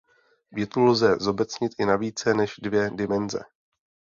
Větu lze zobecnit i na více než dvě dimenze.